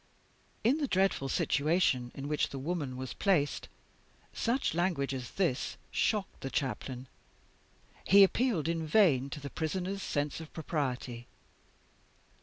"In the dreadful situation in which the woman was placed, such language as this shocked the Chaplain; he appealed in vain to the Prisoner's sense of propriety.